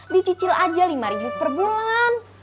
dicicil aja lima ribu per bulan